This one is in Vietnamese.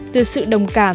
từ sự đồng cảm